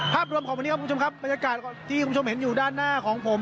ภาพรวมของวันนี้ครับคุณผู้ชมครับบรรยากาศที่คุณผู้ชมเห็นอยู่ด้านหน้าของผม